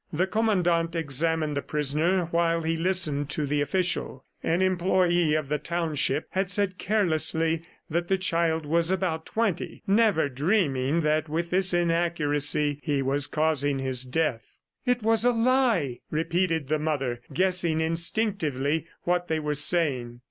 The Commandant examined the prisoner while he listened to the official. An employee of the township had said carelessly that the child was about twenty, never dreaming that with this inaccuracy he was causing his death. "It was a lie!" repeated the mother guessing instinctively what they were saying.